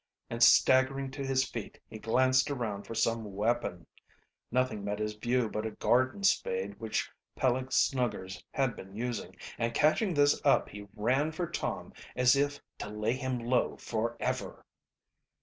and staggering to his feet, he glanced around for some weapon. Nothing met his view but a garden spade which Peleg Snuggers had been using, and catching this up he ran for Tom as if to lay him low forever.